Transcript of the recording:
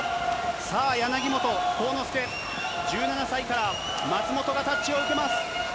さあ、柳本幸之介、１７歳から、松元がタッチを受けます。